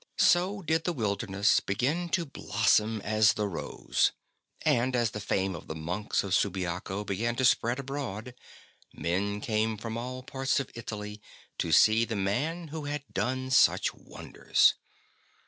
So did the wilderness begin to blossom as the rose, and, as the fame of the monks of Subiaco began to spread abroad, men came from all parts of Italy to see the man who had done such wonders.